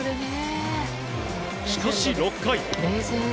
しかし６回。